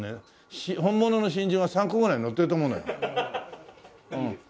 本物の真珠が３個ぐらいのってると思うのよ。